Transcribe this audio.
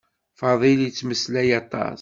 Faḍil yettmeslay aṭas.